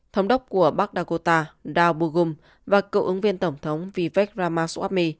thống đốc của bắc dakota dow boogum và cậu ứng viên tổng thống vivek ramaswamy